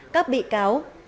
các bị cáo